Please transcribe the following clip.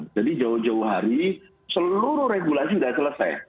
jadi jauh jauh hari seluruh regulasi sudah selesai